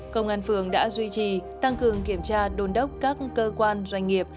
công an phường đã duy trì tăng cường kiểm tra đôn đốc các cơ quan doanh nghiệp